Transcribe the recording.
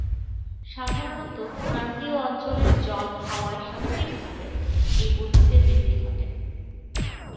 সাধারণত ক্রান্তীয় অঞ্চলের জল-হাওয়ায় স্বাভাবিকভাবে এই উদ্ভিদের বৃদ্ধি ঘটে।